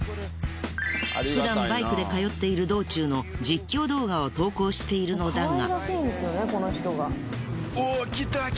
ふだんバイクで通っている道中の実況動画を投稿しているのだが。